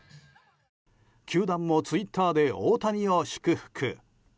球団もツイッターで大谷を祝福。